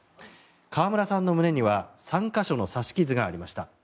川村さんの胸には３か所の刺し傷がありました。